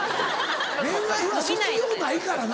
恋愛は卒業ないからな。